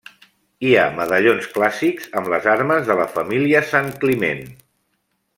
Hi ha medallons clàssics amb les armes de la família Sant Climent.